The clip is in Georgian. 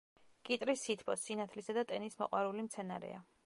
კიტრი სითბოს, სინათლისა და ტენის მოყვარული მცენარეა.